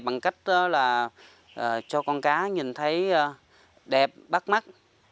bằng cách là cho con cá nhìn thấy đẹp bắt mắt